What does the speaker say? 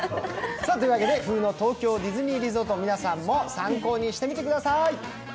冬の東京ディズニーリゾート、皆さんも参考にしてみてください。